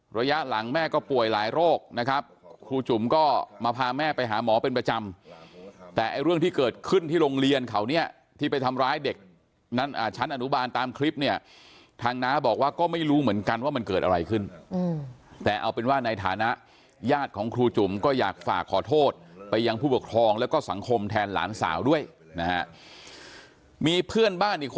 ระยะหลังแม่ก็ป่วยหลายโรคนะครับครูจุ๋มก็มาพาแม่ไปหาหมอเป็นประจำแต่ไอ้เรื่องที่เกิดขึ้นที่โรงเรียนเขาเนี่ยที่ไปทำร้ายเด็กชั้นอนุบาลตามคลิปเนี่ยทางน้าบอกว่าก็ไม่รู้เหมือนกันว่ามันเกิดอะไรขึ้นแต่เอาเป็นว่าในฐานะญาติของครูจุ๋มก็อยากฝากขอโทษไปยังผู้ปกครองแล้วก็สังคมแทนหลานสาวด้วยนะฮะมีเพื่อนบ้านอีกค